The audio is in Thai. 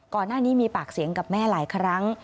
ก่อนหน้านี้มีปากเสียงกับแม่หลายครั้ง